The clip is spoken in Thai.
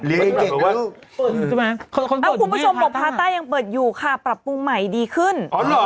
คุณผู้ชมบอกพาต้ายังเปิดอยู่ค่ะปรับปรุงใหม่ดีขึ้น